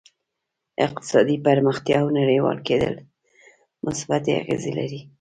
اقتصادي پرمختیا او نړیوال کېدل مثبتې اغېزې لري